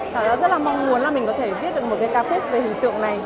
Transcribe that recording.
thảo rất là mong muốn là mình có thể viết được một cái ca khúc về hình tượng này